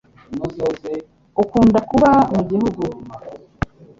Ukunda kuba mu gihugu?